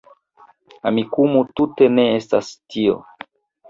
Amikumu tute ne estas tio